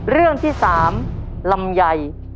เรื่องที่๓ลำไย